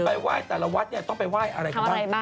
หรือไปไหว้ตราวัดเนี่ยต้องไปไหว้อะไรบ้าง